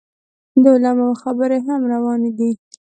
د علماو خبرې هم روانې دي.